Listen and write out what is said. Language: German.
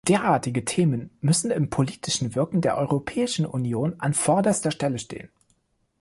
Derartige Themen müssen im politischen Wirken der Europäischen Union an vorderster Stelle stehen.